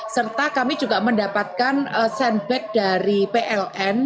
serta kami juga mendapatkan senback dari pln